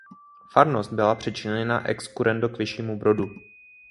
Farnost byla přičleněna ex currendo k Vyššímu Brodu.